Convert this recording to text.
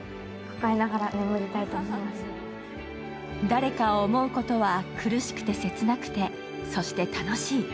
誰かを思うことは苦しくて切なくて、そして楽しい。